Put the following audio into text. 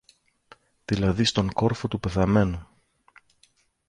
δηλαδή στον κόρφο του πεθαμένου.